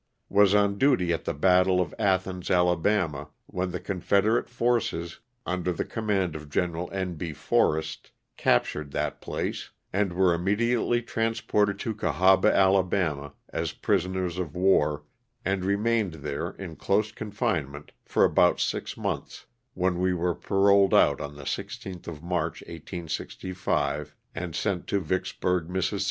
Was on duty at the battle of Athens, Ala, when the confederate forces, under the command of Gen. N. B. Forrest captured that place, and we were immediately transported to Cahaba, 36 LOSS OF THE SULTAKA. ' Ala., as prisoners of war, and remained there, in close confinement, for about six months, when we were paroled out on the 3 6th of March, 1865, and sent to Vicksburg, Miss.